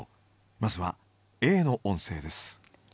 まずはＡの音声です。